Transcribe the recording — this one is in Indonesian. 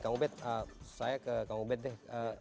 kak ubed saya ke kak ubed deh